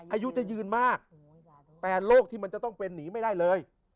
อายุจะยืนมากแต่โรคที่มันจะต้องเป็นหนีไม่ได้เลย